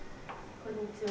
・こんにちは。